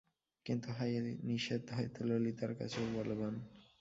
কিন্তু হায়, এ নিষেধ হয়তো ললিতার কাছেও বলবান।